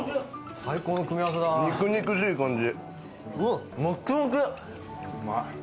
肉々しい感じ。